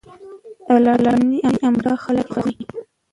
د لاتیني امریکا خلک یې خوښوي.